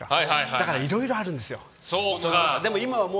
だから、いろいろあるんですよ。